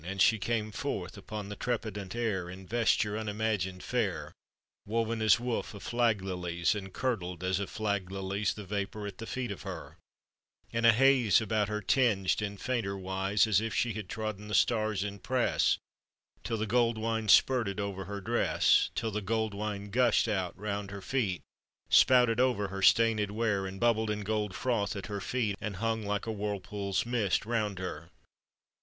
And she came forth upon the trepidant air, In vesture unimagined fair, Woven as woof of flag lilies; And, curdled as of flag lilies, The vapour at the feet of her; And a haze about her tinged in fainter wise; As if she had trodden the stars in press, Till the gold wine spurted over her dress, Till the gold wine gushed out round her feet; Spouted over her stainèd wear, And bubbled in golden froth at her feet, And hung like a whirlpool's mist round her.